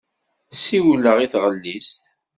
Siwleɣ i taɣellist.